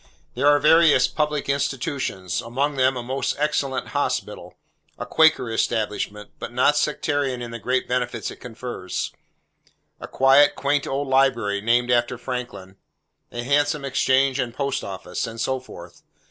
There are various public institutions. Among them a most excellent Hospital—a quaker establishment, but not sectarian in the great benefits it confers; a quiet, quaint old Library, named after Franklin; a handsome Exchange and Post Office; and so forth.